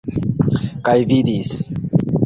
Kaj vidis.